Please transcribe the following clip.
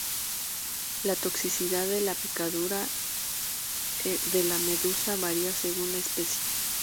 La toxicidad de la picadura de la medusa varía según la especie.